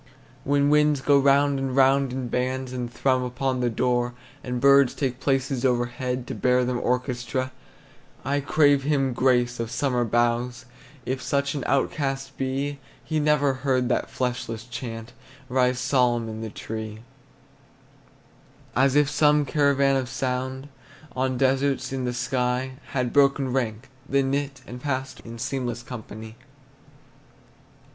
When winds go round and round in bands, And thrum upon the door, And birds take places overhead, To bear them orchestra, I crave him grace, of summer boughs, If such an outcast be, He never heard that fleshless chant Rise solemn in the tree, As if some caravan of sound On deserts, in the sky, Had broken rank, Then knit, and passed In seamless company.